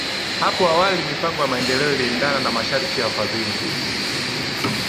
Hapo awali mipango ya maendeleo iliendana na masharti ya wafadhili